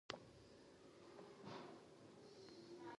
د خوبونو قرباني ورکړئ.